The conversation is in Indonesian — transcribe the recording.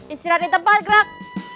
istirahat di tempat gerak